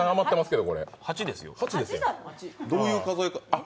どういう数え方？